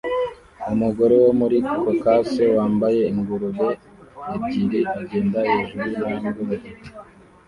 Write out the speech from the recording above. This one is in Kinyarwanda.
Umugore wo muri Caucase wambaye ingurube ebyiri agenda hejuru yintambwe mugihe